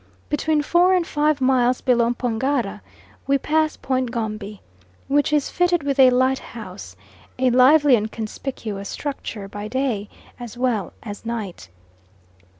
Between four and five miles below Pongara, we pass Point Gombi, which is fitted with a lighthouse, a lively and conspicuous structure by day as well as night.